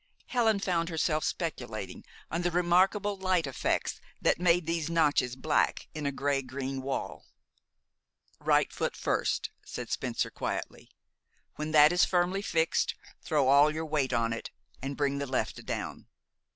Helen found herself speculating on the remarkable light effects that made these notches black in a gray green wall. "Right foot first," said Spencer quietly. "When that is firmly fixed, throw all your weight on it, and bring the left down.